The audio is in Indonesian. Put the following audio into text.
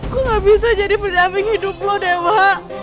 gue gak bisa jadi pendamping hidup lo dewa